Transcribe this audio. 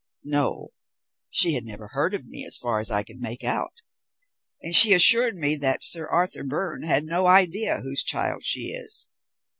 "No, she had never heard of me, as far as I could make out. And she assured me that Sir Arthur Byrne has no idea whose child she is."